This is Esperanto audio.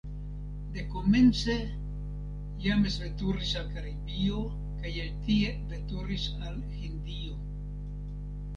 Dekomence James veturis al Karibio kaj el tie veturis al Hindio.